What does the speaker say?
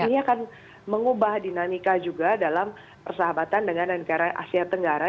ini akan mengubah dinamika juga dalam persahabatan dengan negara asia tenggara